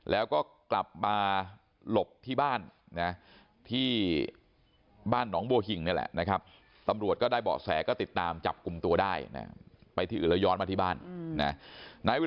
แล้วก็กลับมาหลบที่บ้าน